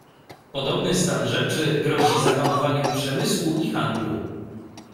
"Podobny stan rzeczy grozi zahamowaniem przemysłu i handlu."